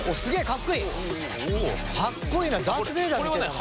かっこいい。